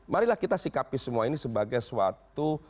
marilah kita sikapi semua ini sebagai suatu